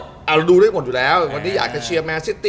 เราดูได้หมดอยู่แล้ววันนี้อยากจะเชียร์แมนซิตี้